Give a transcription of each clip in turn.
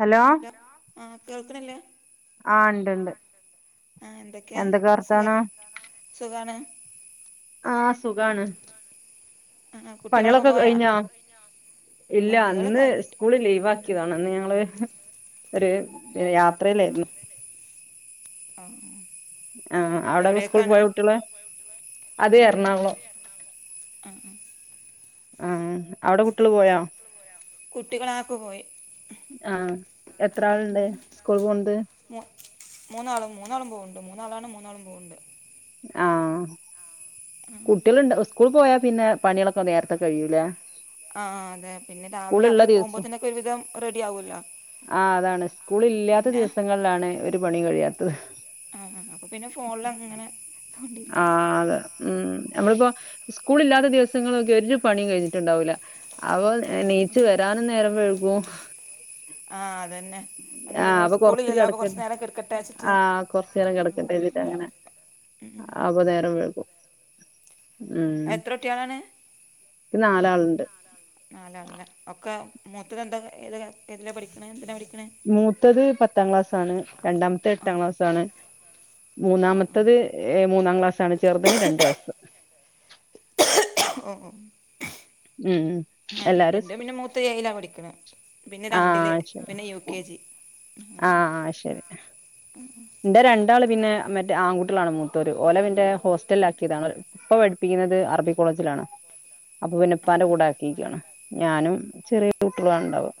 Hello ആഹ് കേൾക്കണില്ലേ ആഹ് ഇണ്ട്ണ്ട് ആഹ് എന്തൊക്കെയാ എന്തൊക്കെ സുഖം വർത്താനം സുഖാണ് ആഹ് സുഖാണ് ആ കുട്ടികളൊക്കെ പണികളൊക്കെ പോയാ കഴിഞ്ഞോ ഇല്ല പണികൾ ഇന്ന് കഴിഞ്ഞിട്ട് സ്കൂള് ലീവ് ആ ക്കിയതാണ് ഇന്ന് ഞങ്ങള് ഒരു യാത്രയിലായ്രുന്ന് ആഹ് ആഹ് അവിടൊക്കെ സ്കൂളി പോയോ കുട്ട്യള് അത് എറണാകുളം അഹ് ആഹ് ആഹ് അവിടെ കുട്ടികള് പോയോ? കുട്ടികളാക്ക പോയി ആഹ് എത്രാളിണ്ട് സ്കൂൾ പോണത് മൂ മൂന്നാളും മൂന്നാളും പോവെണ്ട് മൂന്നാളാണ് മൂന്നാളും പോവെണ്ട് ആഹ് കുട്ടീളെണ്ട് സ്കൂൾ പോയാ പിന്നെ പണിളൊക്കെ നേരത്തെ കഴിയൂലെ ആ അതെ പിന്നെ രാവിലെ അവര് പോകുമ്പോത്തനൊക്കെ ഒരു വിധം റെഡി ആവൂല്ലോ ആഹ് അതാണ് സ്കൂളില്ലാത്ത ദിവസങ്ങളിലാണ് ഒരു പണീം കഴിയാത്തത് അഹ് ആഹ് അപ്പ പിന്നെ ഫോണിൽ അങ്ങങ്ങനെ ആഹ് അതെ ഉം നമ്മളിപ്പോ സ്കൂളി ഇല്ലാത്ത ദിവസങ്ങളൊക്കെ ഒരു പണീം കഴിഞ്ഞി ട്ടിണ്ടാവൂല്ല അവം ആ നീച്ച് ആ വരാനും നേരം വെഴുകും ആഹ് അതന്നെ ഇന്ന് അപ്പൊ സ്കൂളില്ലല്ലോപ്പൊ കൊറച്ച് കിടക്കട്ടെ നേരം കേടക്കട്ടേച്ചിട്ട് ആഹ് കൊറച്ച് നേരം കെടക്കട്ടേച്ച് അങ്ങനെ അപ നേരം വഴ്കും. മ് എത്ര കുട്ടികളാണ് ക്ക് നാലാള്ണ്ട്. നാലാള്ല്ലേ. ഒക്കെ മൂത്തത് എന്താ ഏതില ഏതിലാ പഠിക്ക്ണെ, എന്തിനാ പഠിക്ക്ണെ? മൂത്തത് പത്താം ക്ലാസ് ആണ് രണ്ടാമത്തെ എട്ടാം ക്ലാസ് ആണ് ആഹ് മൂന്നാമത്തത് ഏഹ് മൂന്നാം ക്ലാസ്സാണ് ചെറുതിന് രണ്ട് വയസ്സ് ഓഹ് ഒഹ് ഉം എൻ എല്ലാരും എന്റെ പിന്നെ മൂത്ത ഏയിലാ പഠിക്ക്ണ. പിന്നെ രണ്ടില് ശരി പിന്നെ യു കെ ജി ആഹ് ആഹ് ശരി ഇന്റെ രണ്ടാള് പിന്നെ മറ്റേ ആൺകുട്ടിയേളാണ് മൂത്തോര്. ഓലെ മന്റെ ഹോസ്റ്റൽല് ആക്കിയതാണ് ഉപ്പ പഠിപ്പിക്ക്ന്നത് അറബിക് കോളേജിലാണ്. അപ്പൊ പിന്നെ ആഹ് ഉപ്പാന്റെ ആഹ് കൂടെ ആക്കിക്കാണ്. ഞാനും ചെറിയ കുട്ട്യേളും ആണ് ഇണ്ടാവാ.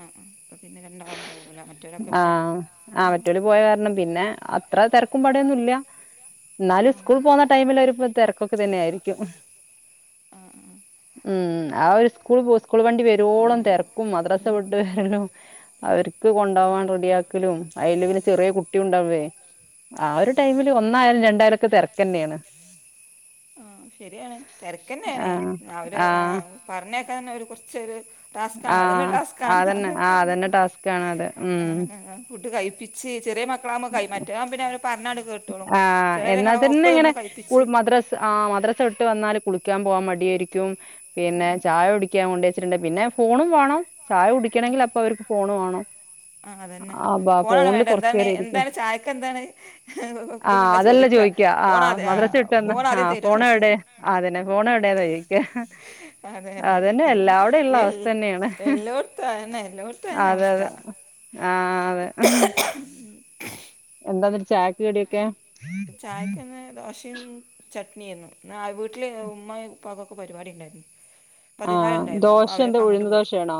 ആഹ് ആഹ് അപ്പ പിന്നെ രണ്ടാള് ഉണ്ടാവള്ളു ലേ. മറ്റൊലൊക്കെ പിന്നെ ആഹ് ഓല് പോയ കാരണം പിന്നെ അത്ര തെരക്കും പടയൊന്നുല്ല ഇന്നാലും ആഹ് സ്കൂൾള് പോവ് ടൈമില് ഒര് പ്ര തെരക്കൊക്കെ തന്നെ ആയിരിക്കും ആഹ് ആഹ് മ്മ് ആ ഒരു സ്കൂൾ പോ സ്കൂൾ വണ്ടി വരോളം തെരക്കും മദ്രസ വിട്ട് വരലും അവർക്ക് കൊണ്ടാവാൻ റെഡിയാക്കലും അയ്‌ല് പിന്നെ ചെറിയ കുട്ട്യു ഉണ്ടാവേ. ആ ഒരു ടൈമില് ഒന്നായാലും രണ്ടായലൊക്കെ തെരക്കന്നേണ് ശരിയാണ് തെരക്കെന്നേണ് ആഹ് അവര് ആഹ് എഫ് പറഞ്ഞയക്കാൻ തന്നെ ഒരു കൊർച്ചൊരു ടാസ്കാണ് അതന്നെ ആഹ് ടാസ്കാണ്. അതന്നെ അത് ആഹ് അതന്നെ പർഞ്ഞയ്ക്ക്ണെ. ടാസ്കാണ് അത്. ഉം ആഹ് ആഹ് ഫുഡ് കഴ്പ്പിച്ച് ചെറിയ മ ക്കളാവുമ്പം കയ് മറ്റേ ആവുമ്പം പിന്നെ അവരെ പറഞ്ഞാണ്ട് കേട്ടോളും ആഹ് ചിലരെ എന്നാ തന്നെ ഒപ്പം ഇങ്ങനെ നിന്ന് കു കഴിപിച്ച് മദ്രസ് ആഹ് മദ്രസ വിട്ട് വന്നാൽ കുളിക്കാൻ പോകാൻ മടിയായിരിക്കും പിന്നെ ചായ കുടിക്കാൻ കൊണ്ടേച്ചിട്ട്ണ്ടെ പിന്നെ ഫോണും വാണം ചായ കുടിക്കണെങ്കിൽ അപ്പൊ അവർക്ക് ഫോണ് വേണം ആ അതന്നെ അപ്പാ ഫോണാണ് ഫോണില് വേണ്ടത് എന്താണ് കുറചേരം ഇരി എന്താണ് ചായക്ക് എന്താണ് ആഹ് ഇതെന്നല്ല അതെല്ല ചോദിക്കുക ചോയിക്ക ഫോൺ ആഹ് ആദ്യ ആ മദ്രസ വിട്ട് വന്നാ ഫോൺ ആദ്യം ആഹ് തരുമോന്ന് ഫോണ് എവടെ ചോദിച്ച ആതന്നെ ഫോണ് എവിടെ എന്നാ ചോയിക്ക്യാ. അതെ അതെ അതന്നെ ശരിയാണ് എല്ലാ വ്ടെ ഇള്ള എൽ അവസ്ഥതന്നേണ് എല്ലോടത്തും അതന്നെ എല്ലോടത്തും അതന്നെ അതെ അതെ അവസ്ഥ ആഹ് അതെ ഹ്മ് എന്താന്നട്ട് ചായക്ക് കടിയൊക്കെ? ചായക്ക്‌ ഇന്ന് ദോശ് ശിം ചട്നിയേന്നു. ന്നാ വീട്ടില് ഉമ്മായു ഉപ്പാകൊക്കെ പരിപാടി ഉണ്ടായിരുന്നു ആഹ് പതിനാലുണ്ടായിരുന്നു അപ്പൊ ദോശ അവരൊക്കെ എന്താ അങ്ങട്ട് ഉഴുന്ന് പോയി. ദോശയാണോ?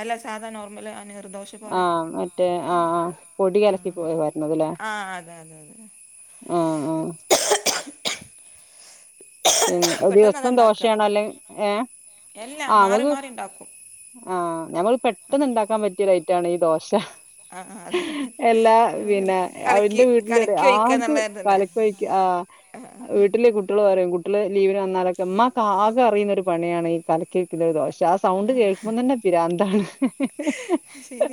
അല്ല സാധാ നോർമൽ അ നിർ ദോ ശ പോലെ ആഹ് മറ്റേ ആഹ് ആഹ് പൊടി കലക്കി ആഹ് പോയി വരുന്നതല്ലേ അതെ അതെ ആഹ് ആഹ് [inaudible] പിന്നെ പെട്ടെന്ന് അതാ ദിവസം ഉണ്ടാക്കുക ദോശയാണൊ അല്ലെ ഏഹ് എല്ലാം ആഹ് മാറി നമക്ക് മാറി ഉണ്ടാക്കും ആഹ് ഞമ്മൾ പെട്ടെന്ന് ഇണ്ടാക്കാൻ പറ്റിയ ഐറ്റാണ് ഈ ദോശ ആ അതെ എല്ലാ പിന്നെ കലക്കി അവന്റെ വീട്ടിലറിയും കലക്കി ആക് കലക്ക്‌ ഒയിക്ക ആഹ് എഹെഹെ വീട്ടില് കുട്ടിയേള് പറയും കു ട്ട്യേൾ ലീവിന് വന്നാലൊക്കെ ഉമ്മാക്ക് ആകെ അറിയുന്ന ഒരു പണിയാണ് ഈ കലക്കി ഒഴിക്കല് ദോശ. ആ സൗണ്ട് കേൾക്കുമ്പം തന്നെ പിരാന്താണ്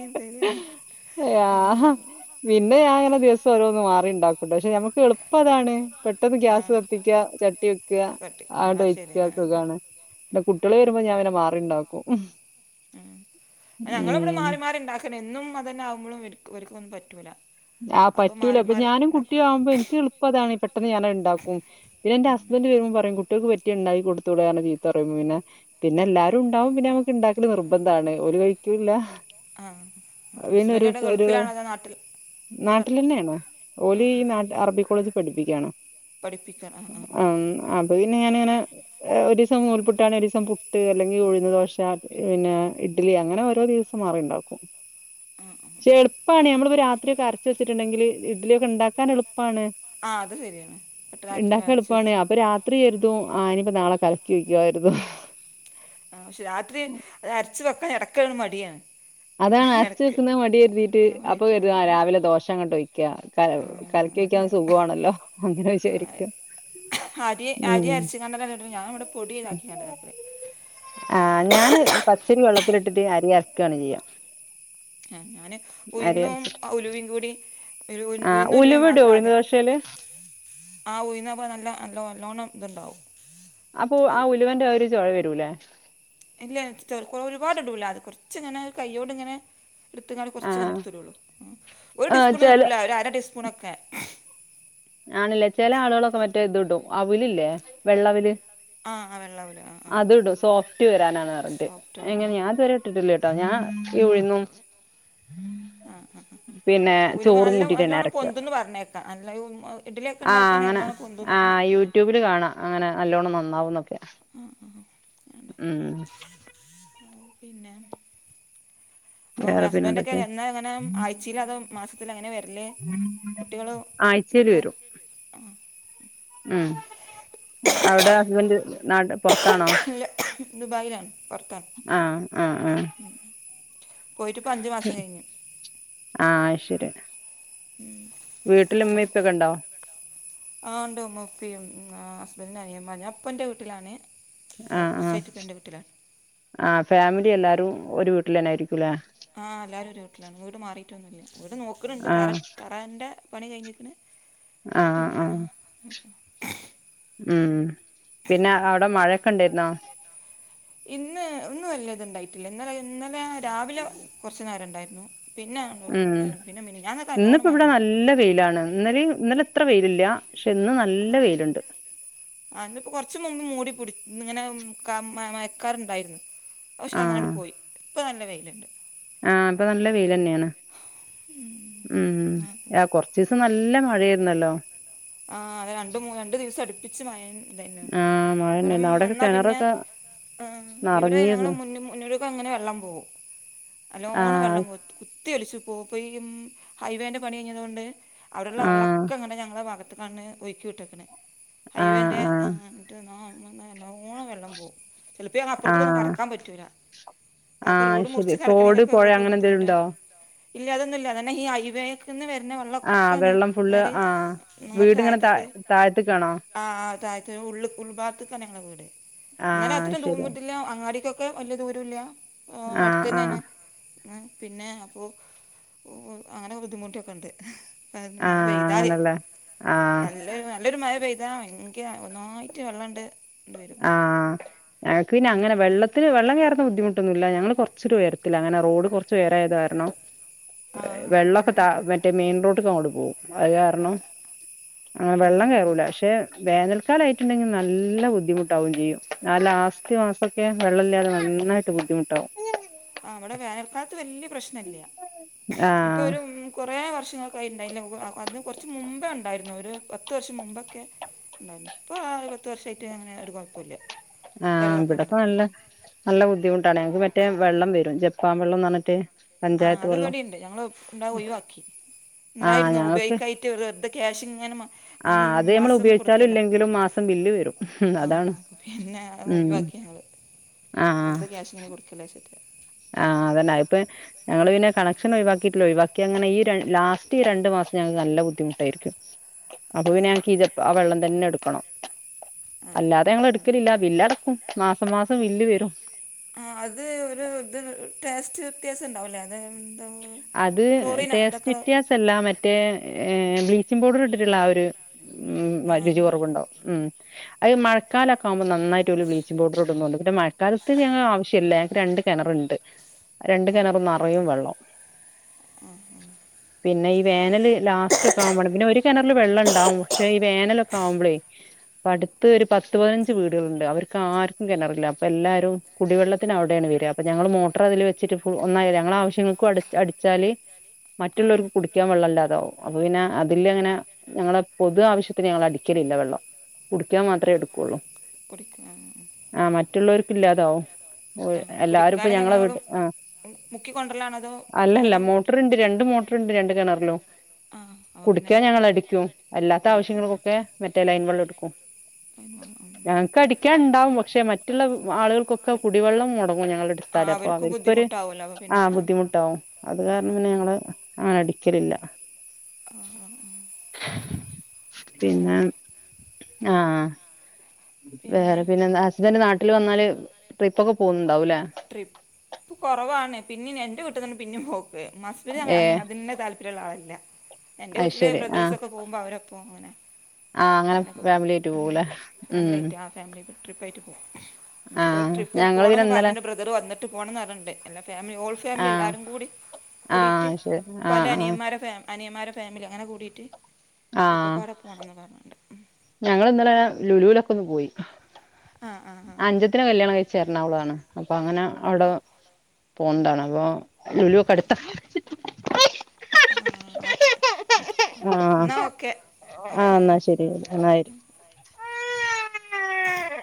[unintelligible] [unintelligible] ആഹ പിന്നെ ഞാനെങ്ങനെ ദിവസം ഓരോന്ന് മാറിണ്ടാക്കുട്ടൊ പക്ഷെ ഞമ്മക്ക് എളുപ്പതാണ് പെട്ടെന്ന് ആ ആ ഗ്യാസ് ക ത്തിക്ക്യാ ചട്ടി വെക്ക കട്ട് ആണ്ട് ആ ശരി ഒഴിച്ചാ ആ സുഖാണ് ടെ കുട്ടിയേള് വരുമ്പം ഞാൻ പിന്നെ മാറിണ്ടാക്കും ഉം. അയ്ന് ഞങ്ങളെ ബടെ ഉം മാറി മാറി ഇണ്ടാക്കണെ എന്നും അതന്നെ ആവുമ്പളും വര് ഇവര്ക്കൊന്നും പറ്റൂല. ആഹ് അപ്പൊ പറ്റൂല മാറി ഇപ്പം മാറി ഞാനും ഉണ്ടാക്കും കുട്ടിയും ആവുമ്പം ഇൻക്ക്യെളുപ്പ അതാണ് പെട്ടെന്ന് ഞാനഹ്ണ്ടാക്കും. പിന്നെ ഇന്റെ ഹസ്ബൻഡ് വരുമ്പം പറയും കുട്ടിയേക്ക് പറ്റിയത് ഇണ്ടാക്കി കൊടുത്തൂടേ പർഞ് ചീത്തറിയുമ്പം പിന്നെ പിന്നെ എല്ലാരും ഉണ്ടാവുമ്പം പിന്നെ ഞമ്മക്ക് ഇണ്ടാക്കല് നിർബന്താണ് ഓല് കഴിക്ക്യൂ ല്ല. ആഹ് ഹസ്ബന്റ്ടെ ഗൾഫിലാണല്ലോ അതൊ നാട്ടിൽ ഇവിടെ വർ നാട്ടിലെന്നെണ് ഓൽ ആ ഈ അറബി കോളേജിൽ പഠിപ്പിക്കിയാണ് പഠിപ്പിക്കാൻ ആ ആ ആ ആഹ് അപ്പൊ പിന്നെ എങ്ങിനിയാണ് എ ഒരീസം നൂൾപുട്ടാണ് ഒരീസം പുട്ട് അല്ലെങ്കിൽ ഉഴുന്ന് ദോശ പിന്നെ ഇഡലി അങ്ങനെ ഓരോ ദിവസം മാറിണ്ടാക്കും ആ ആ ക്ഷെ എളുപ്പമാണ് നമ്മൾ രാത്രിയക്കെ അരച് ച്ചിട്ടുണ്ടെങ്കിൽ ഇട്ലിക്കെ ണ്ടാക്കാൻ എള്പ്പാണ് ആ അത് ശരിയാണ് പെട്ടെന്ന് അരച്ച് ണ്ടാക്കാൻ അരച്ച് എള്പ്പാണ് വെച്ച് അപ്പ് രാത്രിയെരുതും ആനിപ്പോൾ നാളെ കലക്കി വയ്ക്കുവായിരുന്നു ആ ക്ഷെ രാത്രി അഹ് അരച്ചു വെക്കാൻ എടക്കണ് മടിയാണ് അതാണ് അരച്ച ഇടക്ക് വെക്കുന്ന മടിയ എരുതിയിട്ട് ആ അപ്പൊ ലേറ്റ് ആ കരുത രാവിലെ ദോശ അങ്ങോട്ട് ഒയ്ക്ക ക ആ കലക്കിഒയ്ക്കാൻ അതെ സുഖാണല്ലോ അങ്ങനെ വിചാരിക്കും അരി അരി ഉം അരച്ചങ്ങാണ്ടന്നെല്ലേ ട്ൻ ഞാൻ വടെ പൊടി താക്കി ങ്ങാണ്ടകാട്ടൽ ആ ഞാന് പച്ചരി വള്ളത്തിലിട്ടിട്ട് അരി അരക്കാണ് ചെയ ആഹ് ഞാന് അരി ഉയ്ന്നും അരച്ചിട്ട് ഉലിവിം കൂടി ആ ഉയ്ന്നും ഉലിവി ഉലുവ ഇടുവോ ഉഴുന്ന് മാത്രആദ്യ [inaudible] ആ ഊയ്ന്നപ്പ നല്ല നല്ല നല്ലോണ്ണം ത്ണ്ടാവും അപ്പൊ ആ ഉലുവന്റെ ഒരു ചോയ വരൂല്ലേ ഇല്ല ചൊ ഒരുപാട് ഇടുല അത് കൊർച് ങ്ങനെ കയ്യോണ്ട് ങ്ങനെ ട്ത്തങ്ങാട് ആ കൊറച്ച്ങ്ങനെട്ത്തുടൊള്ളു ഒരു ആ ചെല ടിസ്പൂൺന്നുംടുല്ല ഒരു അരടീസ്പൂണൊക്കെ ആണില്ലേ ചില ആളൊളൊക്കെ മറ്റേ ഇത് ഇടും അവ് ലില്ലേ വെള്ളഅവ്ൽ ആ ആ വെള്ളാവൂല ആ ആ അത്ടും സോഫ്റ്റ് വരാനാണ്ന്ന് പറഞ്ഞട്ട് സോഫ്റ്റ് ആവാൻ ആ എങ്ങനെ ഞാത് വരെ ട്ടിട്ടില്ലട്ടോ ഞാൻ ഈഉഴ്ന്നും ആ ആ ആ പിന്നെ ഉലുവ ചോറും നല്ല നല്ലോണം കൂട്ടിട്ടന്നെഅരക്ക പൊന്തുന്ന് പറഞ്ഞേക്കാം നല്ല ഇഡലിയൊക്കെ ണ്ടാക്കങ്കി നല്ലോണം പൊന്തും തന്നെർന് യട്യൂബില് കാണാ അങ്ങനെ നല്ലോണ്ണം നന്നാവുന്നൊക്കെ ആ ആ ഉം ആ പിന്നെ ഓ വേറെ പിന്നെ എന്തൊക്കെ ഹസ്ബൻഡക്കെന്നാങ്ങനെ ആയ്ച്ചയിലോ അതൊ മാസത്തിലോ ങ്ങനെ വെര്ൽ കുട്ടികള് ആഴ്ചേൽ ഇതൊക്കെ വരും ആഹ് ഉം അവടെ ഹസ്ബൻഡ് നാട്ട് പൊർത്താണോ ഇല്ല ദുബായിലാണ് പൊർത്താണ് ആഹ് ആഹ് ഉം പോയിട്ട്പ്പൊ അഞ്ചു മാസം കഴിഞ്ഞ് ആഹ് അയ്ശരി ഉം വീട്ടിൽ ഇമ്മേം അത് ഉപ്പക്കെണ്ടോ ആഹ് ഉണ്ട് ഉമ്മ ഉപ്പയും ഹസ്ബന്റിന്റെ അനിയമ്മാരും പ്പന്റെ വീട്ടിലാണെ ആഹ് ആഹ് ആഹ് ഫാമിലി ല്ലാരും ഒരു വീട്ടിൽന്നെയിരിക്കുംല്ലേ ആഹ് എല്ലാരും ഒരു വീട്ടിലാണ് വീട് മാറിയിട്ടൊന്നുംല്ല വീട് നോക്കണ്ണ്ട് തറ ആഹ് തറാന്റെ പണി കഴിഞ്ഞക്ണ് ആഹ് ആഹ് ഉം പിന്നെ അവടെ മഴൊക്കെ ണ്ടായിരുന്നോ ഇന്ന് ഇന്ന് വലിയ ഇത്ണ്ടായിട്ടില്ല ഇന്നലെ ഇന്നലെ രാവിലെ കൊറച്ചു നേരംണ്ടായിരുന്നു ഉം നല്ലോണം ഇന്ന്പ്പോ ബടെ മഴയായിരുന്നു നല്ല വെയിലാണ് ന്നലിം ന്നലെ ത്ര വെയിലില്ല പക്ഷെ ന്ന് നല്ല വെയില്ണ്ട് ആഹ് ന്ന്പ്പം കൊറച്ചു മുമ്പ് മൂടി പുടി ങ്ങനെ മയക്കാർണ്ടായിരുന്നു പക്ഷെ അങ്ങനോട് ആഹ് പോയി ഇപ്പൊ നല്ല വെയിലുണ്ട്. ആഹ് അപ്പൊ നല്ല വെയിലെ ന്നെയാണ്. ഉം ആ കുറച്ച ദിവസം നല്ല മഴ ആയിരുന്നല്ലോ? ആഹ് അത് രണ്ട് മൂ രണ്ടു ദിവസം അടുപ്പിച്ച് മഴ തന്നെ ഉണ്ടായന് ആഹ് പുറം മഴന്നെയായിരുന്നു അവിടൊക്കെ വന്നാ പിന്നെ കിണറൊക്കെ ങാ ഇവിടെ ഞങ്ങള് നറഞ്ഞിരുന്നു മു മുന്നോടക്ക അങ്ങനെ വെള്ളം പോകും. അല്ലോണം വെള്ളം ആഹ് പോകും കുത്തി ത്തിഒലിച്ച് പോം ഇപ്പോ ഈ ഹൈവേന്റെ പണി കഴിഞ്ഞതു കൊണ്ട് അവടുള്ള ആഹ് വെള്ളൊക്കെ എങ്ങനെ ഞങ്ങളുടെ ഭാഗ ത്ത്കണ്ണ് ഒഴുക്കി വിട്ടേക്കണ ആഹ് ഹൈവേൻ്റെ ങാ ആഹ് എന്നിട്ട് നല്ലോണം വെള്ളം പോകും ചെലപ്പൊ അപ്പുറത്ത ഒന്നും ആഹ് കടക്കൻ പറ്റൂല. അപ്പൊ ആഹ് റോഡ് ശരി മുറിച്ച് തോട് കടക്കണലൊക്കെ പൊഴ വോക്കൊരു അങ്ങനെ എന്തേലും ബുദ്ധിമുട്ട് ഉണ്ടോ ഇല്ല അതൊന്നുല്ല അതന്നെ ഈ ഹൈവേ ഇതിന്ന് വരുന്ന വെള്ള ആഹ് ഒക്കെ വെള്ളം ഫുള്ള് നേരെ ആഹ് നമ്മുടെ വീടിങ്ങനെ താ താഴത്തേക്ക് താഴത്ത്ക്കാണോ ആഹ് താഴത്തെനു ഉള്ള് ഉൾഭാഗത്ത്ക്കാണ് ഞങ്ങളെ വീട്. ന്നാലും ആഹ് അത്രിം ദു ശരി ഇത് ല്ല. അങ്ങാടീക്കൊ ഒക്കെ വലിയ ദൂരഇല്ല ആ ആഹ് അടുത്ത ആഹ് തന്നെആണ് അങ്ങനെ പിന്നെ അപ്പോ ഉം ഉം അങ്ങനെ ബുദ്ധിമുട്ടൊക്കെ ഉണ്ട് മഴ ആഹ് പെയ്താല് അങ്ങനല്ലേ ആഹ് നല്ലോരു നല്ലൊരു മഴ പെയ്താ ഭയങ്കര ഒന്നായിട്ട് വെള്ളണ്ട്. ണ്ട് വരും ആഹ് ഞങ്ങക്ക് പിന്നെ അങ്ങനെ വെള്ള ത്തില്ല് വെള്ളം കെറുന്ന ബദ്ധമുട്ടൊന്നുഇല്ല ഞങ്ങള് കൊറച്ചുരു ഇയരത്തില്ലങ്ങനെ റോഡ് കൊറച്ച് ഉയര ആയത് കാരണം ആഹ് അപ്പൊ വെള്ളഓക്കെ പിന്നെ ത മറ്റേ മെയിൻ റോഡക്കെ അങ്ങോട്ട് പോകും അത് കാരണം. അങ്ങനെ വെള്ളം ആഹ് കയറൂല പക്ഷെ വേനൽക്കാലയിട്ടുണ്ടെങ്കി നല്ല ബുദ്ധിമു ട്ടാവും ചെയ്യും ആ ലാസ്റ്റ് മാസഓക്കെ വെള്ള ഇല്ലാതെ നന്നായിട്ട് ബുദ്ധിമുട്ടാവും. ആ അവിടെ വേനൽക്കാലത്ത് വെല്യ പ്രശ്നില്ല ഇപ്പൊ ആഹ് ഒരു കുറേ വർഷങ്ങൾക്കയിട്ടുണ്ടായില്ലലവ് അത് കുറച്ച് മുമ്പേ ഉണ്ടായിരുന്നു ഒരു പത്ത് വർഷം മുമ്പൊക്കെ ഇപ്പൊ ഒരു പത്ത് വർഷയിട്ട് അങ്ങനെ ഒരു കുഴപ്പില്ല ആഹ് ഇവിടെക്കെ നല്ല നല്ല ബുദ്ധിമുട്ടാണ് ഞങ്ങക്ക് മറ്റേ വെള്ളം വരും ജപ്പാ വെള്ളംന്ന് പറഞ്ഞിട്ട് ആഹ് പഞ്ചായത്ത് അത് വെള്ളം ഇവിടെണ്ട് ഞങ്ങള് ഉണ്ട ഒഴിവാക്കി ആഹ് ഉണ്ടായിരുന്നു ഞങ്ങക്ക് ഉപയോഗിക്കായി. വെർതെ വെർതെ ക്യാഷ് ഇങ്ങനെ മന്ന് ആഹ് അത് നമ്മൾ മാസം ഉപയോഗിച്ചാലും കൊടുക്കെല്ല ഇല്ലെങ്കിലും മാസം ബില്ല് വരും അതാണ് ആഹ് പിന്നെ അതങ്ങ് ഉം ഒഴിവാക്കി. ഞങ്ങൾ വെർതെ ക്യാഷ് ഇങ്ങനെ കൊടുക്കല്ലേ വിജാരിച്ചിട്ട്. ആ അതന്നാ അയ്പ്പൊ ഞങ്ങള് പിന്നെ കണക്ഷൻ ഒിവാക്കിട്ടില്ല ഒഴവാക്കി അങ്ങനെ ഈ രാ ലാസ്റ്റ് ഈ രണ്ട് മാസം ഞങ്ങക്ക് നല്ല ബുദ്ധിമുട്ടായിരിക്കും. അപ്പൊ പിന്നെ ഞൻക്കിജപ്പ് ആ വെള്ളം തന്നെ എടുക്കും ആണോ ആ അല്ലാതെ ഞങ്ങൾ ആ എടുക്കലില്ല ബില്ടക്കും മാസം മാസം ബില്ല് വരും. ആ അത് ഒരു ഇത് ടേസ്റ്റ് വ്യത്യാസം ഉണ്ടാവുലേ അത് എന്താ ക്ലോറിന ആന്തകളവ്. ഇതല്ല മറ്റേ ഏ ബ്ലീച്ചിംഗ പൗഡർ ഇട്ടിട്ടുള്ള ആ ഒരു ഉം വ ആ രുചി കിറവുണ്ടാവും ഉം അത് മഴക്കാലൊകാമ്പോ നന്നായിട്ട് ഒരു ബ്ളീച്ചിങ് പൗഡർ ഇടുന്നുണ്ട്പിന്നെ മഴക്കാലത്ത് ഞങ്ങ ആവശ്യഇല്ല ഞങ്ങക്ക് രണ്ട് കെണറ്ണ്ട് രണ്ട് കിണറു നറയെ വെള്ളം. ആഹ് പിന്നെ ഈ വേനല് ലാസ്റ്റ് ഒക്കെ ആവേണം പിന്നെ ഒരു കിണറിൽ വെള്ളം ഉണ്ടാവും പക്ഷെ ഈ വേനലൊക്കെ ആവുമ്പളേ - അപ്പ അടുത്ത് ഒരു പത്ത് പതിനഞ്ച് വീടുകളുണ്ട് അവർക്ക് ആർക്കും കിണറില്ല അപ്പൊ എല്ലാരും കുടിവെള്ളത്തിന് അവിടെയാണ് വരിയാ അപ്പ ഞങ്ങള് മോട്ടർ അതില് വെച്ചിട്ട് ഫു ഒന്നായി ഞങ്ങള ആവശ്യങ്ങക്ക് അടി അടിച്ചാല് ആ മറ്റുള്ളോർക്ക് കുടിക്കാൻ വെള്ളം ഇല്ലാതാവും അപ്പൊ പിന്നെ അതില് അങ്ങനെ ഞങ്ങളെ പൊതു ആവശ്യത്തിന് ഞങ്ങൾ അടിക്കലില്ല വെള്ളം കുടിക്കാൻ മാത്ര എടുക്കുള്ളൂ കുടിക്കാ ആഹ് ആ മറ്റുള്ളോര്ക്ക് ഇല്ലാതാവും ഓര് എല്ലാരും ഇപ്പോ ഞങ്ങളെ വീട്ട് ആ മുക്കിക്കൊണ്ടർല്ലാണോ അല്ലല്ല മോട്ടർ ഇണ്ട് രണ്ട് മോട്ട റ്ണ്ട് രണ്ട് കെണറിലും ആ അപ്പം പിന്നെ കുടിക്കാൻ ഞങ്ങളടിക്കും അല്ലാത്ത അടിക്കും ആവശ്യങ്ങൾക്കൊക്കെ മറ്റേ ലൈയ്ൻ വെള്ളടുക്കും ഉം ഉം ഞങ്ങക്ക് അടിക്കാൻ ഇണ്ടാവും പക്ഷെ മറ്റുള്ളവ് ആളുകൾക്കൊക്കെ കുടിവെള്ളം മോടങ്ങും ഞങ്ങള്ട്ത്താല് അപ്പൊ അവര് ബുദ്ധിമുട്ടാകോലോ അപ്പ പിന്നെ ആഹ് ആഹ് ട്ടോ അത് കാരണം പിന്നെ ഞങ്ങള് അങ്ങനെ അടിക്കലില്ല ആഹ് ആഹ് ആഹ് അപ്പ പിന്നെ അങ്ങനൊക്കെ ആഹ് അഹ് പിന്നെ വേറെ പിന്നെന്ത ഹസ്ബന്റ് നാട്ടിൽ വന്നാല് ട്രിപ്പോക്കെ പോന്നുണ്ടാവുലേ ട്രിപ്പ് കോറവാണ്. പിന്നെ എന്റെ വീട്ടിലാണ് പിന്നെ പോക്ക്. ഏ [unintelligible] അതന്നെ താല്പര്യ. [unintelligible] ളില്ല എന്റെ അത് വീട്ടില് ശരി ആഹ് ബ്രദേഴ്സക്കെ പോകുമ്പോ, അവരൊപ്പം ഇങ്ങനെ. ആഹ് അങ്ങനെ ഫാമിലിയിട്ട് പോകൂലേ ഉം. ഫാമിലി ട്രിപ്പ് ആയിട്ട് പോവും. ഇഞ്ഞിപ്പോ ആഹ് ട്രിപ്പിൽ ഞങ്ങള് പോണം പിന്നെ ഇന്നലെ പറഞ്ഞണ്ട്, ബ്രദറ് വന്നിട്ട് പോണന്ന് പറഞ്ഞണ്ട്. എല്ലാ ഫാമിലി ഓൾ ഫാമിലി ആഹ് എല്ലാരും കൂടി. കൂടിട്ട് ആഹ് ശരി ഇപ്പാൻറെ ആഹ് ആഹ് അനിയമ്മാരെ ഫാമ് അനിയമ്മാരെ ഫാമിലി അങ്ങനെ കൂടീട്ട്, ഒക്കപ്പാടെ പോണന്ന് പറഞ്ഞിട്ടുണ്ട്. ഉം. ഞങ്ങള് ഇന്നലെ ലുലുലക്കൊന്ന് പോയി. ആ ആ അഞ്ച ത്തിനെ കല്യാണം കഴിച്ച് എറണാകുളാണ് അപ്പൊ അങ്ങനെ അവിടെ ആ പോണ്ടാന്ന അപ്പോ ലുലുക്കെ അടുത്ത. ഉം ഓക്കെ. എന്നാൽ ഓക്കെ ആഹ് ആന്നാ ഓക്കെ ശരി [unintelligible] ശരി